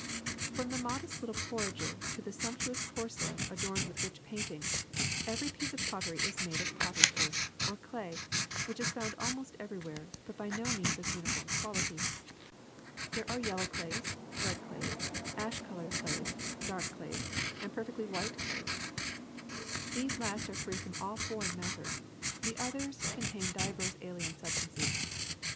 ^^From the modest little porringer to the sumptu ous porcelains adorned with rich paintings, every piece of pottery is made of potters' earth, or clay, which is found almost everywhere, but by no means of uniform quality. There are yellow clays, red clays, ash colored clays, dark clays, and perfectly 1 See "Our Humble Helpers." 167 168 THE SECRET OF EVERYDAY THINGS white clays. These last are free from all foreign matter; the others contain divers alien substances.